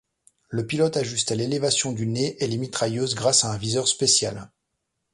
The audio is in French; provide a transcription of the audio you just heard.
Le pilote ajustait l'élévation du nez et les mitrailleuses grâce à un viseur spécial.